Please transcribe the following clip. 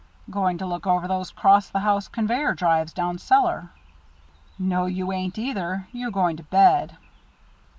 "Going to look over those 'cross the house conveyor drives down cellar." "No, you ain't either. You're going to bed."